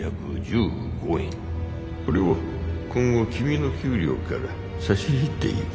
これを今後君の給料から差し引いていく。